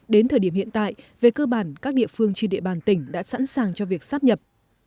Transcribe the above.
đến thời điểm hiện tại về cơ bản các địa phương trên địa bàn tỉnh đã sẵn sàng cho việc sắp nhập